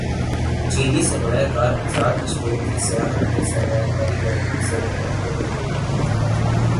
چینی سرمایہ کار ازاد کشمیر کی سیاحت میں سرمایہ کاری کریں سینیٹر عبدالقیوم